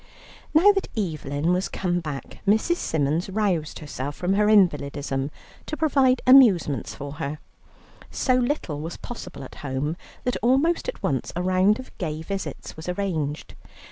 Now that Evelyn was come back, Mrs. Symons roused herself from her invalidism to provide amusements for her. So little was possible at home that almost at once a round of gay visits was arranged.